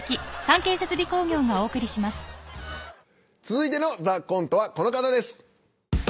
続いての『ＴＨＥＣＯＮＴＥ』はこの方です。